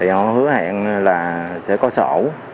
họ hứa hẹn là sẽ có sổ